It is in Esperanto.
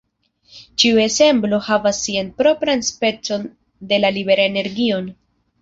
Ĉiu ensemblo havas sian propran specon de la libera energion.